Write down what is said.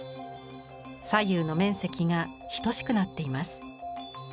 左右の面積が等しくなっています。